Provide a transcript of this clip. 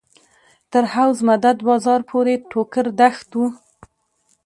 تر حوض مدد بازار پورې ټوکر دښت و.